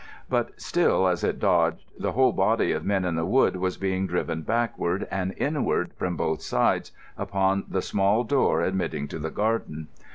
But still as it dodged the whole body of men in the wood was being driven backward and inward from both sides upon the small door admitting to the garden.